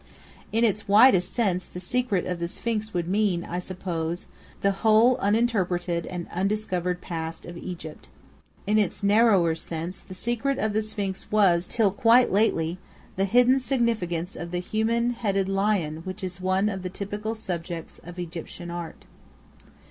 In its widest sense, the Secret of the Sphinx would mean, I suppose, the whole uninterpreted and undiscovered past of Egypt. In its narrower sense, the Secret of the Sphinx was, till quite lately, the hidden significance of the human headed lion which is one of the typical subjects of Egyptian Art.